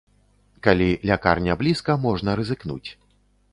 Калі лякарня блізка, можна рызыкнуць.